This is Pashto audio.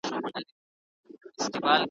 څه باندي پنځوس کاله به کیږي `